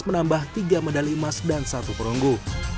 menambah tiga medali emas dan satu perunggu